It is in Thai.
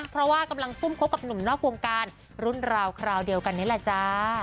เพราะว่ากำลังทุ่มคบกับหนุ่มนอกวงการรุ่นราวคราวเดียวกันนี่แหละจ้า